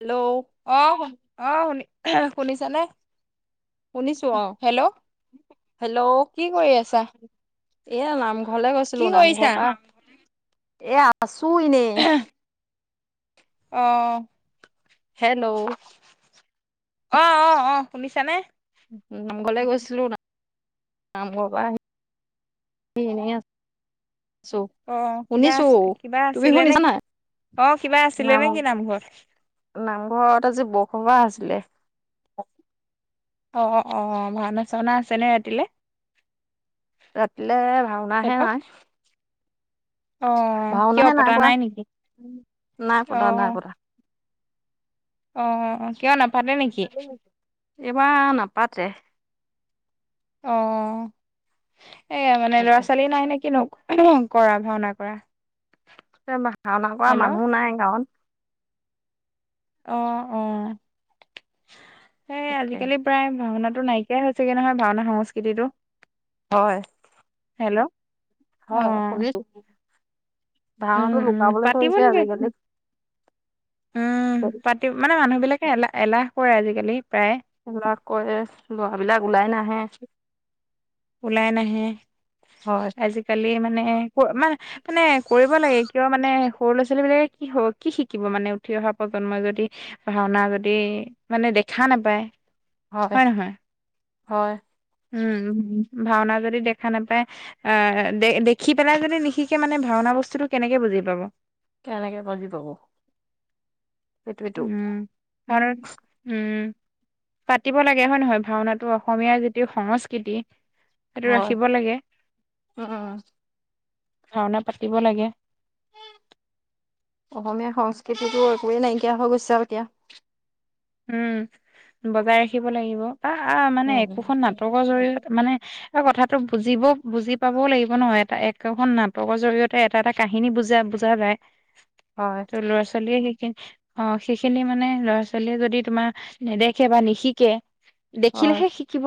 Hello অৱ শুনি, অৱ শুনি শুনিছানে? শুনিছো অ হেল্ল' হেল্ল' কি কৰি আছা! এয়া নামঘৰলে কি গৈছিলো কৰিছা নামঘৰ পৰা এ আছোঁ তুইনে অ হেল্ল' অৱ অৱ অৱ শুনিছানে। উম নামঘৰলে গৈছিলো কাম কৰিব [unintelligible] অ কিবা আছিলে কিবা তুমি আছিলে শুনিছা নেকি? নাই অ কিবা আছিলে নাম নেকি নামঘৰত? নামঘৰত আজি বৰসবাহ আছিলে। অ অ ভাওনা চাওনা আছেনে ৰাতিলে! ৰাতিলে ভাওনাহে হেল্ল' নাই। অ কিয় ভাওনাহে পতা পোৱা নাই নেকি? নাই অ পতা নাই পতা অ অ কিয় নাপা এইবাৰ নাপাতে। অ এয়া মানে, ল'ৰা-ছোৱালী নাই নেকি ন? কৰা ভাওনা কৰা। ভাওনা কৰা হেল্ল' মানুহ নাই গাঁওত। অ', অৱ, সেই আজিকালি প্ৰায় ভাওনাত নাইকিয়াই হৈছেগে নহয় ভাওনা সংস্কৃতিটো। হয়। হেল্ল' হয় অ [unintelligible] উম ভাওনাতো উম লুকাবলে পাতিব ধৰিছে লাগে আজিকালি। উম পাতি মানে মানুহ বিলাকে এলাহ এলাহ কৰে আজিকালি প্ৰায়। হেলা কৰে ল'ৰবিলাক ওলাই নাহে। ওলাই নাহে হয় আজিকালি মানে ক মান মানে কৰিব লাগে। কিয় মানে সৰু ল'ৰা-ছোৱালী বিলাকে কি কি শিকিব মানে উঠি অহা প্ৰজন্মই যদি ভাওনা যদি মানে দেখা নাপায়। হয়, হয়। উম। ভাওনা যদি দেখা নাপায় আহ দে দেখি পেলাই যদি নিশিকে মানে ভাওনা বস্তুতটো কেনেকে বুজি বুজি পাব। কেনেকে বুজি পাব। উম আৰু উম। পাতিব লাগে হয় নহয় ভাওনাটো অসমীয়া যিটো সংস্কৃতি। সেইটো হয়, ৰাখিব লাগে উম। ভাওনা পাতিব লাগে। অসমীয়া সংস্কৃতিটো একোৱেই নাইকিয়া হৈ গৈছে আৰু এতিয়া। উম বজাই ৰাখিব লাগিব। আ আ মানে উম একোখন নাটকৰ জৰিয়তে মানে কথা। ত বুজিব বুজি পাবও লাগিব ন এটা একখন নাটকৰ জৰিয়তে এটা এটা কাহিনী বুজা বুজা যায়। হয় ল'ৰা-ছোৱালীয়ে সেইখিন অ সেইখিনি মানে ল'ৰা-ছোৱালীয়ে যদি যদি তোমাৰ নেদেখে বা নিশিকে হয় দেখিলেহে শিকিব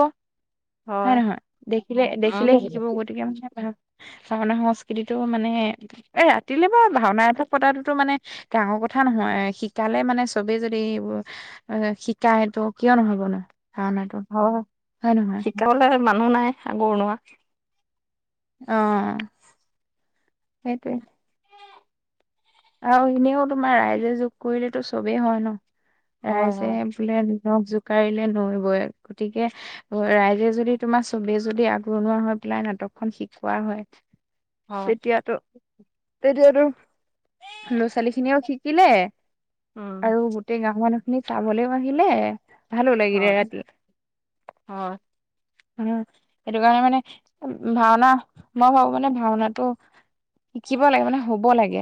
হয় নহয় দেখিলে দেখিলেে শিকিব গতিকে মানে ভাব। ভাওনা সংস্কৃতিটো মানে এ ৰাতিলে বাও ভাওনা এভাগক পতাটোতো মানে ডাঙৰ কথা নহয় শিকালে মানে চবেই যদি শিকায় ত কিয় নহ'ব নো। ভাওনাটো হয় হয় নহয় শিকাবলৈ মানুহ নাই আগৰ নুৱা। অ', সেইটোৱে। আৰু এনেও তোমাৰ ৰাইজে যোগ কৰিলেটো চবেই হয় ন হয় ৰাইজে হয় বোলে নখ জোকাৰিলে নৈ বই গতিকে ৰাইজে যদি তোমাৰ চবেই যদি আগৰণোৱা হয় লাই নাটকখন শিকোৱা হয় হয় তেতিয়াতো তেতিয়াতো ল'ৰা ছোৱালী খিনিও শিকিলে উম আৰু গোটেই গাও মানুহ আপুনি চাবলৈও আহিলে ভালো লাগিলে হয় ৰাতি। হয় উ সেইটো কাৰণে মানে ভাওনা মই ভাবো মানে ভাওনাটো শিকিব লাগে মানে হ'ব লাগে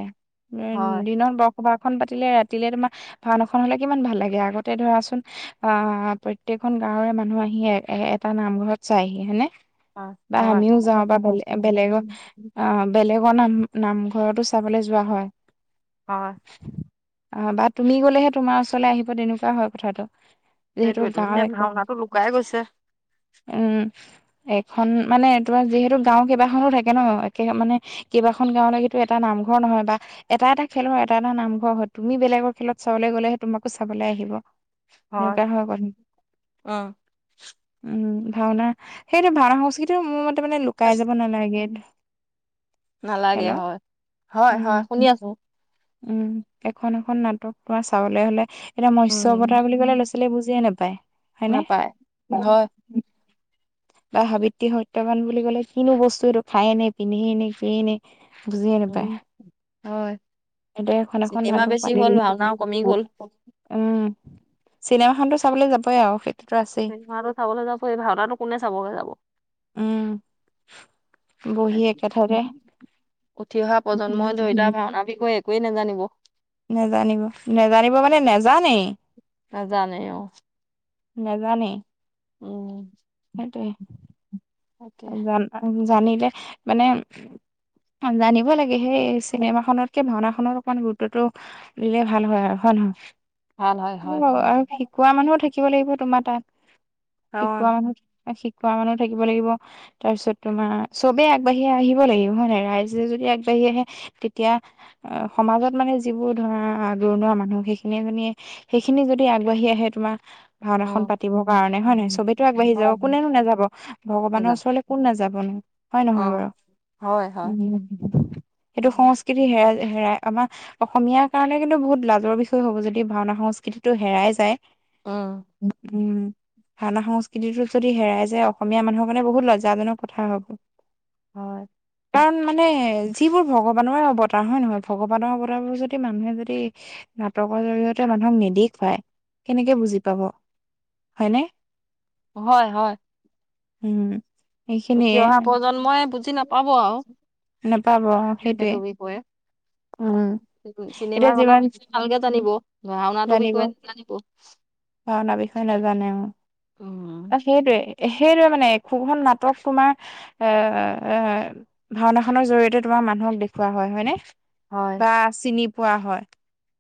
উ হয় দিনত বৰসবাহ খন পাতিলে ৰাতিলে তোমাৰ ভাও খন হলে কিমান ভাল লাগে আগতে ধৰাচোন আহ প্ৰত্যেকখন গাঁৱৰে মানুহ আহি এ এ এটা নামঘৰত চাইহি হইনে। বা হয় আমিও হয় যাওঁ বা বেলে বেলেগৰ অ বেলেগ লগৰ নাম নামঘৰতো চাবলৈ যোৱা হয়। অ'। অ', বা তুমি গলেহে তোমাৰ ওচৰলৈ আহিব তেনেকুৱা হয় কথাটো। যিহেতু সেইটোৱেতো গাও এতিয়া একো ভাওনাটো লুকাই গৈছে উম এখন মানে তোমাৰ যিহেতু গাঁও কেইবাখনো থাকে ন একে মানে কেইবাখন গাঁওলৈকেতো এটা নাম। ঘৰ নহয় বা এটা-এটা খেলৰ এটা এটা নামঘৰ হয় তুমি বেলেগৰ খেলত চাবলৈ গলেহে তোমাকো চাবলৈ আহিব। সেনেকুৱা হয় কথাটো উম উম ভাওনা সেইটো ভাওনা সংস্কৃতি মোৰ মতে মানে লুকাই যাব নালাগে। নালাগে হেল্ল' হয়-হয়-হয় শুনি উম আছো। উম' এখন-এখন নাটক তোমাৰ চাবলে হলে এতিটা মস্য অবতাৰ বুলি উম ক'লে ল'ৰা ছোৱালীয়ে বুজিয়ে নাপায় হয়নে। নাপায় হয় বা সাৱিত্ৰী সত্যৱান বুলি কলে কিনো বস্তু এইটো খায় নে পিন্ধে নে কি নে। বুজিয়ে নাপায় উম' হয়। এতিয়া এখন এখন চিনেমা নাটক বেছি পাতি হ'ল দিম। ভাওনাও কমি গল। উম' চিনেমাখনতো চাবলৈ যাবই আৰু সেই চিনেমাটো চাবলৈ যাব এই ভাওনাতো কোনে চাব গে যাব। উম' বহি একথাৰে। উঠি অহা প্ৰজন্মই ধৰি লোৱা ভাওনাৰ বিষয়ে একোৱেই নাজানিব। নেজানিব-নেজানিব মানে নজানেই। নাজানেই অ', নাজানেই। উম, সেইটোৱে তাকে জান জানিলে মানে জানিব। ভয় লাগে সেই চিনেমা খনতকে ভাওনা খনত অকমান গুৰুত্বটো দিলে ভাল হয় আৰু হয় ন ভাল হয় হয়। নহয়। অ' আৰু শিকোৱা মানুহও থাকিব লাগিব তোমাৰ তাত। অ শিকোৱা মানুহ শিক কোৱা মানুহ থাকিব লাগিব তাৰ পিছত তোমাৰ চবে আগবাঢ়ি আহিব লাগিব হয় নাই ৰাইজে যদি আগবাঢ়ি আহে তেতিয়া সমাজত মানে যিবোৰ ধৰা আগৰণোৱা মানুহ সেইখিনিয়ে সেইখিনি যদি আগবাঢ়ি আহে তোমাৰ অ অ ভাওনাখন পাতিবৰ কাৰণে হয় নহয় চবেতো আগবাঢ়ি যাব কোনেনো নাযাব ভগৱানৰ ওচৰলৈ কোন নাযাব। বনো হয় নহয় বাৰু হয় হয় সেইটো উম সংস্কৃতি হেৰাই হেৰাই আমাৰ অসমীয়াৰ কাৰণে কিন্তু বহুত লাজৰ বিষয় হ'ব যদি ভাওনা সংস্কৃতিটো হেৰাই যায়। উম', ভাওনা সংস্কৃতিটো যদি হেৰাই যায় অসমীয়া মানুহৰ মানে বহুত লজ্জাজননৰ কথা হব। হয় কাৰণ মানে যিবোৰ ভগৱানৰে অৱতাৰ হয় নহয়। ভগৱানৰ অৱতাৰ বোৰ যদি মানুহে যদি নাটকৰ জৰিয়তে মানুহক নিদেখুৱায় কেনেকে বুজি পাব হয়নে। হয়-হয়। উম', উঠি এইখিনিয়ে অহা প্ৰজন্মই বুজি নাপাব আৰু নাপাব সেইটোৱে সেইটো বিষয়ে। উম', এতিয়া চিনেমাখনৰ যিমান বিষয়ে ভালকে জানিব, ভঢ়াওনাটোৰ জানিব বিষয়ে নাজানিব। ভাওনাৰ বিষয়ে নাজানে উম, তা সেইটোৱে-সেইটোৱে। মানে একো নাটক তোমাৰ এ-এ ভাওনা খনৰ জৰিয়িয়তে তোমাৰ মানুহক দে খোৱা হয় হয়নে হয় বা চিনি পোৱা হয়।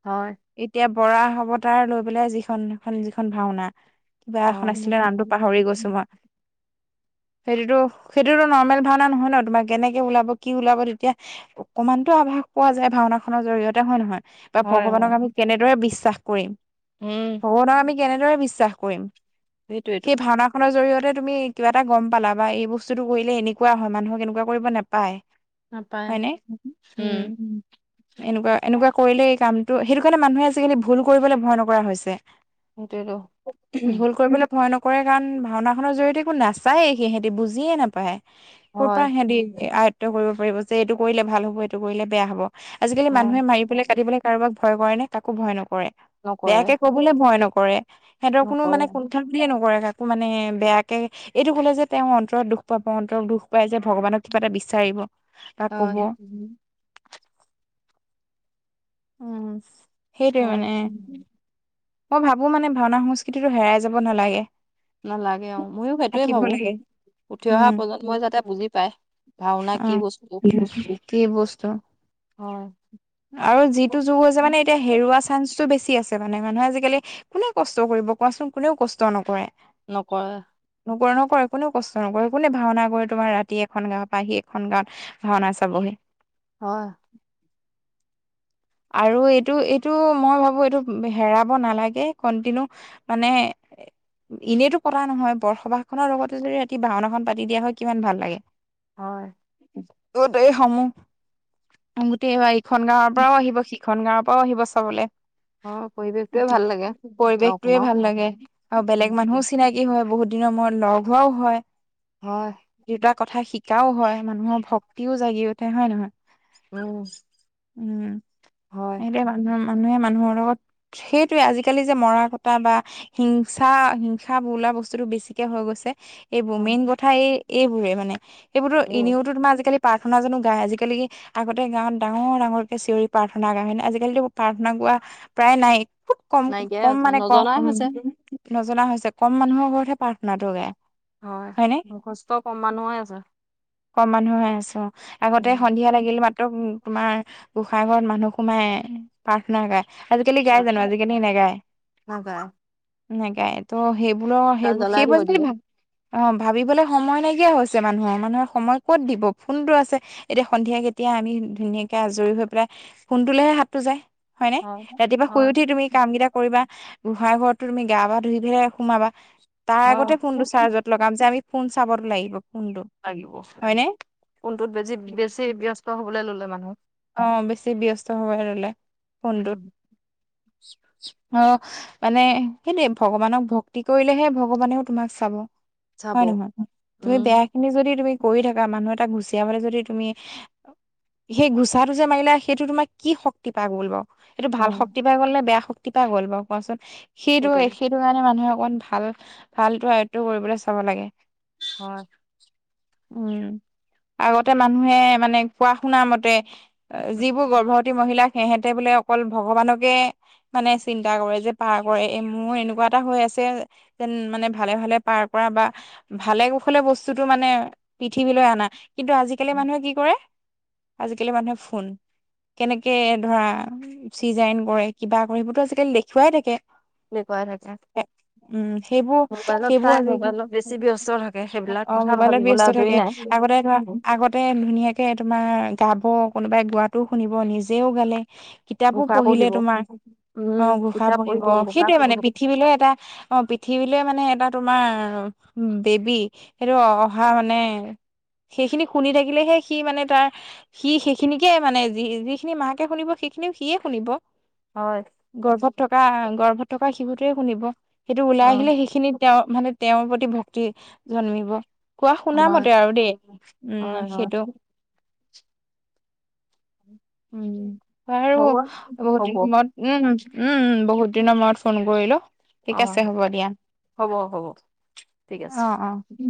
হয়। কৰাৰা হবতাৰ লৈ পেলাই যিখন খন যিখন ভাওনা। কিবা এখন আছিলে নামটো পাহৰি গৈছো আও। সেইটোতো-সেইটোতো নৰ্মেল ভাওনা নহয় ন তোমাৰ কেনেকে ওলাব কি ওলাব তেতিয়া অকমান। টো আভাস পোৱা যায় ভাওনা খনৰ জৰিয়তে হয় নহয়। বা হয় ভগৱানক হয় আমি কেনেদৰে বিশ্বাস কৰিম উম ভগৱানক আমি কেনেদৰে বিশ্বাস কৰিম সেইটোৱেইটো সেই ভাওনাখনৰ জৰিয়তে। তুমি কিবা এটা গ'ম পালা বা এই বস্তুতটো কৰিলে এনেকুৱা হয় মানুহক কেনেকুৱা কৰিব নাপায়। নাপায় হয় নে উম এনেকুৱা। এনেকুৱা কৰিলে এই কামটো সেইটো কাৰণে মানুহে আজিকালি ভুল কৰিবলৈ ভয় নকৰা হৈছে। সেইটোৱে টো। ভুল কৰিবলৈ ভয় নকৰে কাৰণ ভাওনাখনৰ জৰিয়তে একো নাচায়েই সিহঁতি বুজিয়ে নাপায়। কৰ' হয় পৰা সিহঁতি আয়ত্ব কৰিব পাৰিব যে এইটো কৰিলে ভাল হব এইটো কৰিলে বেয়া হব। আজিকালি হয় মানুহে মাৰি পেললে কাটি পেল কাৰোবাক ভয় কৰে নে কাকো ভয় নকৰে। নকৰে বেয়াকে কবলৈ ভয় নকৰে সিহঁতৰ কোনো নকৰে মানে কুণ্ঠল বুলিয়ে নকৰে। কাকো মানে বেয়াকে এইটো ক'লে যে তেওঁ অন্তৰত দুখ পাব অন্তৰত দুখ পায় যে ভগৱানক কিবা এটা বিচাৰিব। বা ক'ব হয়। উম সেইটোৱে হয় মানে। মই ভাবো মানে ভাওনা সংস্কৃতিটো হেৰাই যাব নালাগে। নালাগে আৰু ময়ো সেইটোৱে থাকিব ভাবো লাগে উঠি অহা প্ৰজন্মই যাতে বুজি পায়। ভাওনা কি বস্তু আহ কি বস্তু। হয় আৰু যিটো যুগ হৈছে মানে এতিয়া হেৰুৱা চান্সটো বেছি। আছে মানে মানুহে আজিকালি কোনে কষ্ট কৰিব কোৱাচোন কোনেও কষ্ট নকৰে। নকৰে। নকৰে কোনেও কষ্ট নকৰে কোনে ভাওনা কৰে তোমাৰ ৰাতি এখন গাঁৱৰ পৰা আহি এখন গাঁৱত ভাওনা চাবহি। হয় আৰু এইটো এইটো মই ভাবো এইটো হেৰাব নালাগে কণ্টিনিউ মানে। হয় এনেইতো পতা নহয় বৰসবাস খনৰ লগতে যদি ৰাতি ভাওনাখন পাতি দিয়া হয় কিমান ভাল লাগে। হয় এই সমূহ গোটেইবাৰ এইখন গাঁৱৰ পৰাও আহিব। ইখন গাঁৱৰ পৰাও আহিব চাবলৈ হয় পৰিৱেশটোৱে ভাল লাগে পৰিৱেশটো য়ে গাঁওখনৰ ভাল লাগে আৰু বেলেগ মানুহও চিনাকি হয় বহুত। দিনৰ মূৰত লগ হোৱাও হয়। হয় দুটা কথা শিকাও হয় মানুহৰ ভক্তিও জাগি উঠে হয় নহয়। উম হয়। সেইটোৱেই মানুহৰ মানুহে মানুহৰ লগত সেইটোয়ে আজিকালি যে মৰা কটা বা হিংসা হিংসা বোলা বস্তুতো বেছিকে হৈ গৈছে। এইবোৰ উম, মেইন কথা এই এইবোৰে মানে এইবোৰতো উম, এনেওতো তোমাৰ আজিকালি প্ৰাৰ্থনা জানো গাই? আজিকালি কি আগতে গাঁৱত ডাঙৰ ডাঙৰকে চিঞৰি প্ৰাৰ্থনা কৰা হয়নে আজিকালিতো প্ৰাৰ্থনা গোৱা প্ৰায় নাই। খুব কম নাইকিয়াই কম হৈছে, মানে ক নজনাই হৈছে। নজনা হৈছে কম মানুহৰ ঘৰতহে প্ৰাৰ্থনাতটো গায়। হয় হয়নে মুখস্থ কম মানুহে আছে। কম মানুহৰে আছ অ। আগতে উম, সন্ধিয়া লাগিল মাত্ৰ উ তোমাৰ গোসাইঘৰত মানুহ সোমাই প্ৰাৰ্থনা গায়। আজিকালি গায় জানো? আজিকালি নাগায়, নাযায়। নাগায় তো। সেইবোৰৰ দাল সেইবোৰ জ্বলাই সেইবোৰ থৈ যদি দিয়ে। ভাব অ ভাবিবলে সময় নাইকিয়া হৈছে মানুহৰ মানুহৰ সময় ক'ত দিব? ফোনতটো আছে, এতিয়া সন্ধিয়া কেতিয়া আমি ধুনীয়াকে আজৰি হৈ পেলাই ফোনটোলেহে হাতটো যায়, হয় নে? ৰাতিপুৱা শুই হয়, উঠি হয়। তুমি কাম কেইটা কৰিবা গুহাই ঘৰতো তুমি গা বা ধুই পেলাই সোমাবা তাৰ আগতে ফোনটো চাৰ্জত লগাম যে আমি ফোন চাব লাগিব ফোন লাগিব কোনটোত বেছি বেছি ব্যস্ত হবলৈ ললে মানুহ। অ বেছি ব্যস্ত হব ললে ফোনটোত। উম, অ মানে সেইটোৱেই ভগৱানক ভক্তি কৰিলেহে ভগৱানেও তোমাক চাব। চাব, হয় নহয়? তুমি উম, বেয়াখিনি যদি তুমি কৰি থকা মানুহ এটা গুচিয়াবলে যদি তুমি সেই চাহটো যে মাৰিলে সেইটো তোমাক কি শক্তি পাই গ'ল বাও? সেইটো ভাল উম, শক্তি পাই গ'ল নে বেয়া শক্তি? কেটা গ'ল বাও কোৱাচোন? সেইটো, সেইটোৱে। সেইটো কাৰণে মানুহে অকমান ভাল, ভালটো আয়ত্ত্ব কৰিবলে চাব লাগে। হয়। উম' আগতে মানুহে মানে কোৱা শুনা মতে অ' যিবোৰ গৰ্ভৱতী মহিলা সেহেঁতে বোলে অকল ভগৱানকে মানে চিন্তা কৰে যে, পাৰ কৰে এই মোৰ এনেকুৱা এটা হৈ আছে। যেন মানে ভালে ভালে পাৰ কৰা বা ভালে-কুশলে বস্তুতো মানে পৃথিৱী অনা, কিন্তু আজিকালি মানুহে কি কৰে, আজিকালি মানুহে ফোন কেনেকে ধৰা চিজাইন কৰে, কিবা কৰে, সেইবোৰতো আজিকালি দেখুৱাই থাকে। দেখুৱাই থাকে। উম সেইবোৰ, মোবাইলত সেইবোৰ চাই, আজি মোবাইলত বেছি ব্যস্ত থাকে, সেইবিলাক অ' কথা মোবাইলত ভাবিবলৈ ব্যস্ত আজৰি থাকে নাই। আগতে ধৰা আগতে ধুনীয়াকে তোমাৰ গাব কোনোবাই, গোৱাতটোও শুনিব, নিজেও গালে। কিতাপো ঘোষা পঢ়িলে পঢ়িব, তোমাৰ উম, অ' ঘোষা কিতাপ পঢ়িব, ঘোষা সেইটয়ে মানে পঢ়িব, পৃথিৱীলৈ এটা অ' পৃথিৱীলৈ মানে এটা তোমাৰ বেবী, সেইটো অহা মানে সেইখিনি শুনি থাকিলেহে সি মানে তাৰ সি সেই সেই খিনিকে মানে যি যিখিনি মাকে শুনিব, সেইখিনিও সিয়ে শুনিব। হয়, গৰ্ভত থকা গৰ্ভত থকা শিশুটোৱে শুনিব। সেইটো ওলাই উম। আহিলে সেইখিনি তেওঁ মানে তেওঁৰ প্ৰতি ভক্তি জন্মিব। কোৱা হয় শুনা মতে আৰু দেই হয় উম হয় সেইটো। উম' আৰু হ'ব হ'ব বহুতত উম-উম বহুত দিনৰ মূৰত ফোন কৰিলো। অ ঠিক আছে হ'ব দিয়া হ'ব হ'ব ঠিক আছে অ'-অ'।